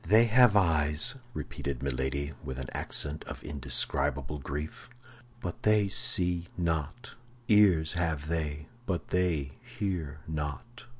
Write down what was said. "They have eyes," repeated Milady, with an accent of indescribable grief, "but they see not; ears have they, but they hear not."